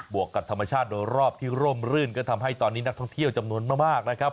วกกับธรรมชาติโดยรอบที่ร่มรื่นก็ทำให้ตอนนี้นักท่องเที่ยวจำนวนมากนะครับ